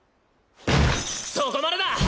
そこまでだ！